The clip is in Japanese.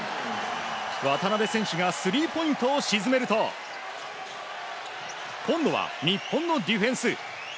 渡邊選手がスリーポイントを沈めると今度は日本のディフェンス。